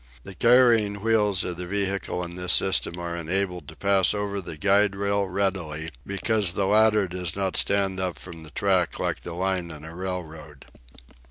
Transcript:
The carrying wheels of the vehicle in this system are enabled to pass over the guide rail readily, because the latter does not stand up from the track like the line in a railroad.